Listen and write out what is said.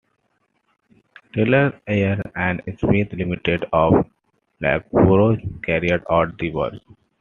Taylors Eayre and Smith Limited of Loughborough carried out the work.